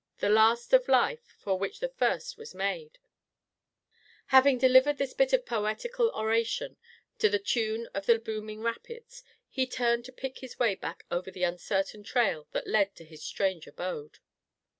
The last of life, for which the first was made—'" Having delivered this bit of poetical oration to the tune of the booming rapids, he turned to pick his way back over the uncertain trail that led to his strange abode.